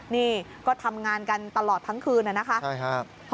นี่ก็ทำงานกันตลอดทั้งคืนนะคะ